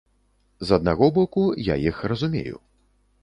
З аднаго боку, я іх разумею.